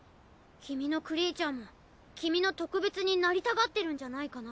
君のクリーチャーも君の特別になりたがってるんじゃないかな？